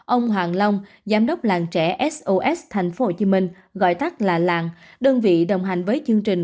ông hoàng long giám đốc làng trẻ sos tp hcm gọi tắt là làng đơn vị đồng hành với chương trình